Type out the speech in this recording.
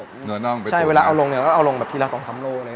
เนื้อน่องไปใช่เวลาเอาลงเนี่ยก็เอาลงแบบทีละ๒๓โลอะไร